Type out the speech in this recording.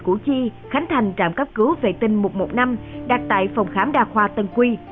củ chi khánh thành trạm cấp cứu vệ tinh một trăm một mươi năm đặt tại phòng khám đa khoa tân quy